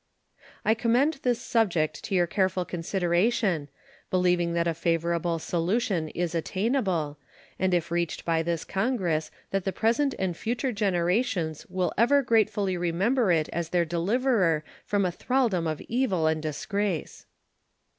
I commend this subject to your careful consideration, believing that a favorable solution is attainable, and if reached by this Congress that the present and future generations will ever gratefully remember it as their deliverer from a thraldom of evil and disgrace.